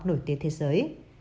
nổi tiếng thế giới